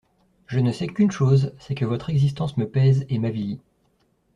Je ne sais qu'une chose, c'est que votre existence me pèse et m'avilit.